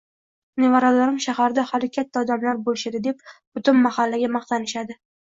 Nevaralarim shaharda hali katta odamlar bo’lishadi deb butun mahallaga maqtanishadi..